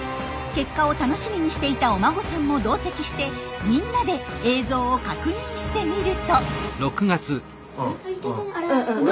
結果を楽しみにしていたお孫さんも同席してみんなで映像を確認してみると。